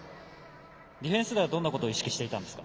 ディフェンスではどんなことを意識しましたか？